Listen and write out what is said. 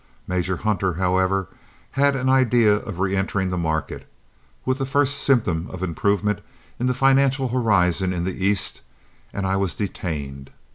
Major Hunter, however, had an idea of reëntering the market, with the first symptom of improvement in the financial horizon in the East, and I was detained.